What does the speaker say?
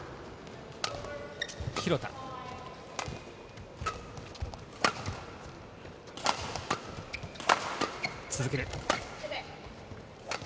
廣田、続ける。